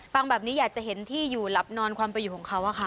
ฟังแบบนี้อยากจะเห็นที่อยู่หลับนอนความไปอยู่ของเขาอะค่ะ